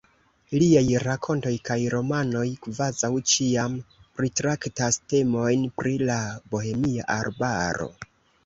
Liaj rakontoj kaj romanoj kvazaŭ ĉiam pritraktas temojn pri la Bohemia Arbaro.